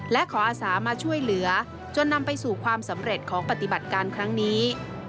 และขออาสามาช่วยเหลือจนนำไปสู่ความสำเร็จของปฏิบัติการครั้งนี้